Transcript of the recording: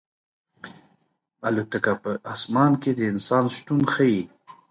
الوتکه په اسمان کې د انسان شتون ښيي.